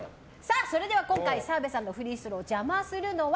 それでは今回、澤部さんのフリースローを邪魔するのは